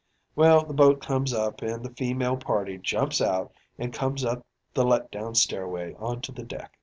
"Well, the boat comes up an' the feemale party jumps out and comes up the let down stairway, onto the deck.